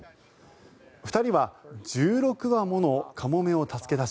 ２人は１６羽ものカモメを助け出し